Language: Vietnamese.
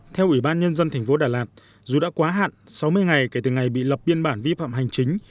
theo ubnd tp đà lạt dù đã quá hạn sáu mươi ngày kể từ ngày bị lập biên bản vi phạm hành chính